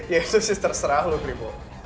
ya itu sih terserah lu keribo